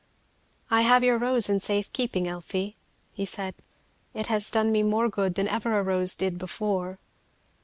"I have your rose in safe keeping, Elfie," he said. "It has done me more good than ever a rose did before."